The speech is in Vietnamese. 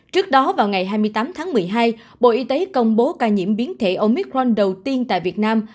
trước đó vào ngày hai mươi tám tháng một mươi hai bộ y tế công bố ca nhiễm biến thể omicron đầu tiên tại việt nam